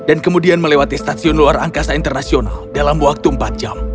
dan kemudian melewati stasiun luar angkasa internasional dalam waktu empat jam